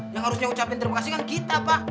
yang harusnya ucapin terima kasih kan kita pak